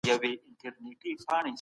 اقتصادي ثبات د سیاسي ثبات پایله ده.